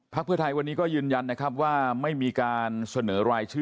เพื่อไทยวันนี้ก็ยืนยันนะครับว่าไม่มีการเสนอรายชื่อ